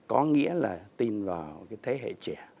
có nghĩa là tin vào thế hệ trẻ